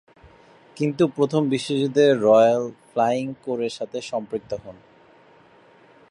কিন্তু প্রথম বিশ্বযুদ্ধে রয়্যাল ফ্লাইং কোরের সাথে সম্পৃক্ত হন।